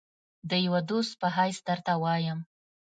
د یوه دوست په حیث درته وایم.